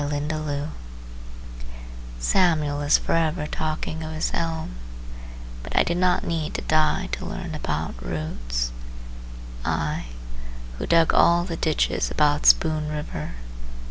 Dow Kritt Samuel is forever talking of his elm— But I did not need to die to learn about roots: I, who dug all the ditches about Spoon River.